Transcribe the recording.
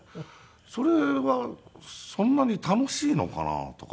それはそんなに楽しいのかなとか思うんですよね。